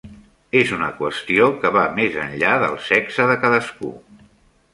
És una qüestió que va més enllà del sexe de cadascú.